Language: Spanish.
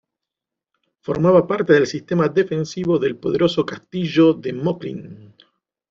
Formaba parte del sistema defensivo del poderoso Castillo de Moclín.